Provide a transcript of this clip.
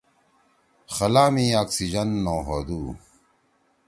خلا می آکسیِجن نہ ہودُو۔